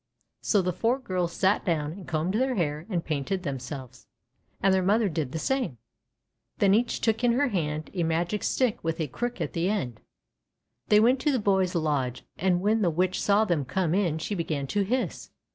So the four girls sat down and combed their hair and painted themselves, and their mother did the same. Then each took in her hand a magic stick with a crook at the end. They went to the boy's lodge, and when the Witch saw them come in she began to hiss.